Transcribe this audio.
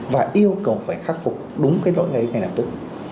và yêu cầu phải khắc phục đúng cái lỗi đấy ngay lập tức